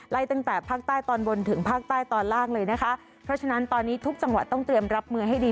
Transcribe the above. ตั้งแต่ภาคใต้ตอนบนถึงภาคใต้ตอนล่างเลยนะคะเพราะฉะนั้นตอนนี้ทุกจังหวัดต้องเตรียมรับมือให้ดี